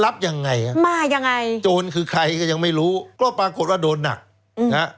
รับยังไงอ่ะมายังไงโจรคือใครก็ยังไม่รู้ก็ปรากฏว่าโดนหนักอืมนะฮะ